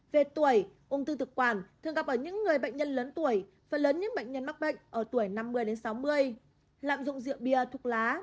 về tuổi ung thư thực quản thường gặp ở những người bệnh nhân lớn tuổi phần lớn những bệnh nhân mắc bệnh ở tuổi năm mươi đến sáu mươi lạm dụng rượu bia thuốc lá